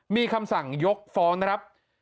มีคำสั่งยกฟ้องนะครับ